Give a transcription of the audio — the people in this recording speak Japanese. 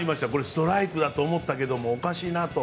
ストライクだと思ったけどおかしいなと。